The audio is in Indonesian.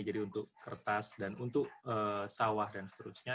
jadi untuk kertas dan untuk sawah dan seterusnya